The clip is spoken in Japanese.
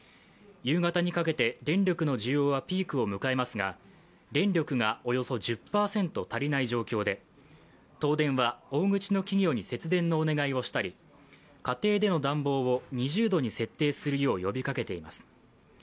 夕方にかけて電力の需要はピークを迎えますが電力がおよそ１０％足りない状況で東電は大口の企業に節電のお願いをしたり家庭での暖房を２０度に設定するよう呼びかけています。